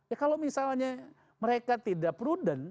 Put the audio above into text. ya kalau misalnya mereka tidak prudent